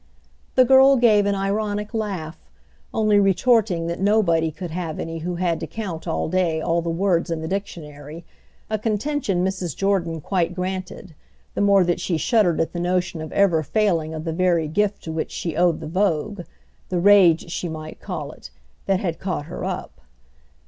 The girl gave an ironic laugh, only retorting that nobody could have any who had to count all day all the words in the dictionary; a contention Mrs. Jordan quite granted, the more that she shuddered at the notion of ever failing of the very gift to which she owed the vogue—the rage she might call it—that had caught her up.